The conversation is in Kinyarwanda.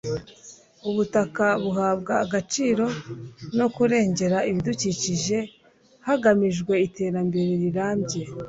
ubutaka buhabwa agaciro no kurengera ibidukikije hagamijwe iterambere rirambye